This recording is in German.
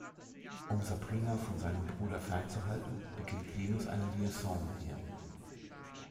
Um Sabrina von seinem Bruder fernzuhalten, beginnt Linus eine Liaison mit ihr.